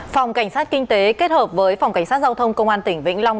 phòng cảnh sát kinh tế kết hợp với phòng cảnh sát giao thông công an tỉnh vĩnh long